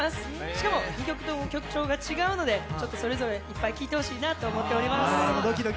しかも２曲とも曲調が違うのでそれぞれいっぱい聴いてほしいなと思います。